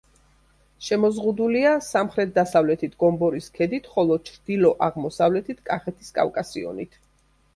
შემოზღუდულია სამხრეთ-დასავლეთით გომბორის ქედით, ხოლო ჩრდილო-აღმოსავლეთით კახეთის კავკასიონით.